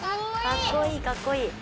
かっこいいかっこいい！